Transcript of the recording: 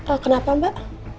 oh kenapa mbak